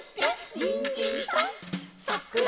「にんじんさんさくらんぼさん」